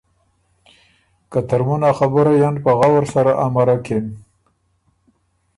که ترمُن ا خبُرئ ان په غؤر سره امرکِن